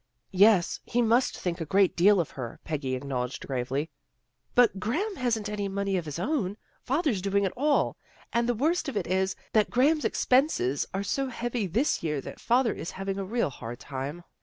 " Yes, he must think a great deal of her," Peggy acknowledged gravely. " But Graham hasn't any money of his own. Father's doing it all, and the worst of it is, that Graham's expenses are so heavy this year that father is having a real hard time.